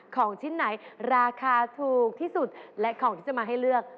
ของชิ้นไหนราคาถูกที่สุดและของที่จะมาให้เลือก